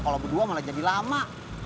kalau berdua malah jadi lama